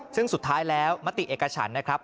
ซึ่งสุดท้ายแล้วมติเอกฉันนะครับ